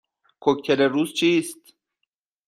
کوکتل روز چیست؟